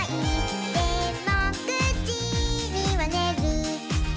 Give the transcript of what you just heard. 「でも９じにはねる」